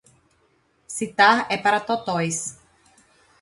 Citar é para totós!